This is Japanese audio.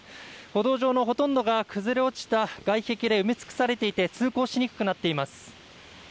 歩道上のほとんどが崩れ落ちた外壁で埋め尽くされていて通行しにくくなっています。